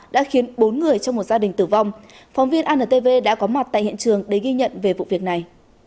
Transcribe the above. đã khiến bốn người trong một gia đình tử vong phóng viên antv đã có mặt tại hiện trường để ghi nhận về vụ việc này